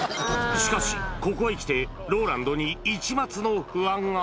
しかし、ここへきてＲＯＬＡＮＤに一抹の不安が。